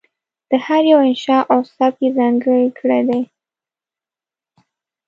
د هر یوه انشأ او سبک یې ځانګړی کړی دی.